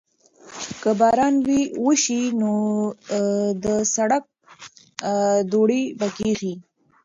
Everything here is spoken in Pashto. که باران وشي نو د سړک دوړې به کښېني.